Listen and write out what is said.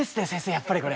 やっぱりこれ。